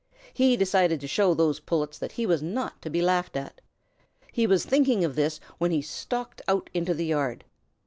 He decided to show those Pullets that he was not to be laughed at. He was thinking of this when he stalked out into the yard.